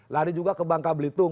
lari juga ke bangka belitung